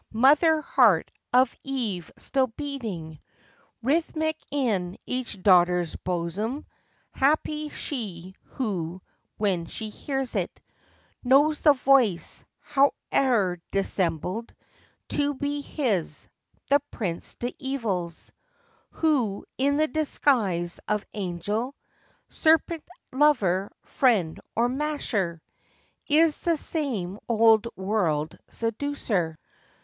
Mother heart of Eve still beating Rhythmic in each daughter's bosom! Happy she who, when she hears it, Knows the voice, howe'er dissembled, To be his—the Prince de Evil's— Who, in the disguise of angel, Serpent, lover, friend, or "masher," Is the same old world seducer!